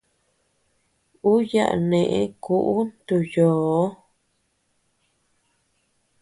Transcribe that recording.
Uu yaʼa neʼë kuʼu ntu yoo.